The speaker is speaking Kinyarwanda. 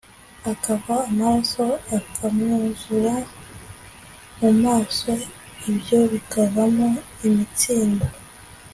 akava amaraso akamwuzura mu maso, ibyo bikavamo imitsindo.